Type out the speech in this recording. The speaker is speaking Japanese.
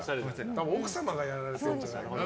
奥様がやられてるんじゃないかな。